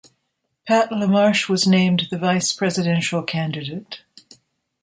Pat LaMarche was named the Vice-Presidential candidate.